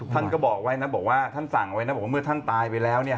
ท่านก็บอกไว้นะบอกว่าท่านสั่งไว้นะบอกว่าเมื่อท่านตายไปแล้ว